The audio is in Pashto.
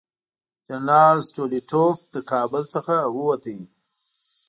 جنرال سټولیټوف له کابل څخه ووت.